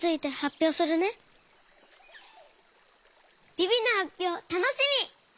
ビビのはっぴょうたのしみ！